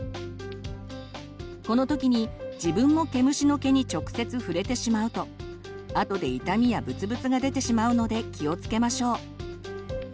この時に自分も毛虫の毛に直接触れてしまうとあとで痛みやブツブツが出てしまうので気をつけましょう。